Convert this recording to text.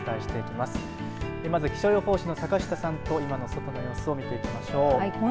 まず気象予報士の坂下さんと今の外の様子を見ていきましょう。